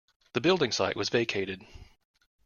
The building site was vacated.